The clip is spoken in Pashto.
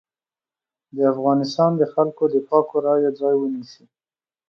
د افغانستان د خلکو د پاکو رايو ځای ونيسي.